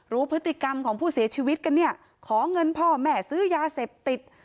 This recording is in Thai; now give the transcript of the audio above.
รู้พฤติกรรมของผู้เสียชีวิตกันเนี่ยขอเงินพ่อแม่ซื้อยาเสพติด